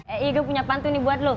ei gue punya pantun nih buat lo